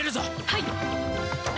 はい！